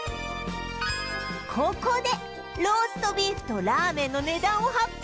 ここでローストビーフとラーメンの値段を発表